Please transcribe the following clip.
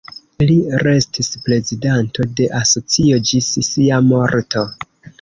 Li restis prezidanto de asocio ĝis sia morto.